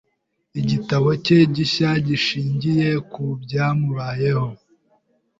Igitabo cye gishya gishingiye ku byamubayeho.